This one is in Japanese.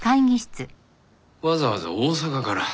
わざわざ大阪から。